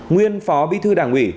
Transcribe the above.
nguyên phó bí thư đảng ủy